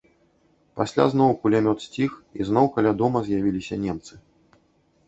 Пасля зноў кулямёт сціх, і зноў каля дома з'явіліся немцы.